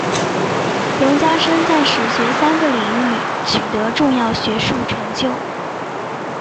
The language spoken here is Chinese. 冯家升在史学三个领域取得重要学术成就。